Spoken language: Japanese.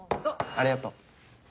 ありがとう。